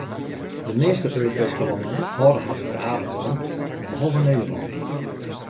De measte Europeeske lannen hâlde har der aardich oan, behalve Nederlân.